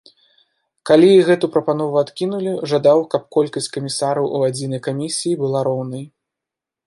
Калі і гэту прапанову адкінулі, жадаў, каб колькасць камісараў у адзінай камісіі была роўнай.